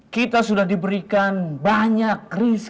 kita sudah diberikan banyak riset